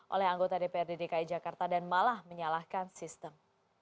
oleh anggota dprd dki jakarta dan malah menyalahkan sistem